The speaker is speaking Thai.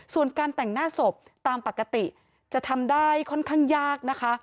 ส่วนการแต่งหน้าศพตามปกติจะทำได้ค่อนข้างยากนะคะ